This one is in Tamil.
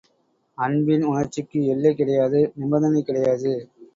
அன்பின் உணர்ச்சிக்கு எல்லை கிடையாது நிபந்தனை கிடையாது.